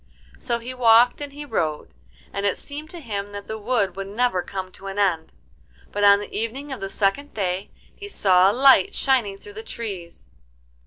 So he walked and he rode, and it seemed to him that the wood would never come to an end. But on the evening of the second day he saw a light shining through the trees.